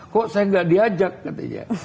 kok saya gak diajak katanya